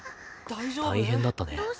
大変だったね。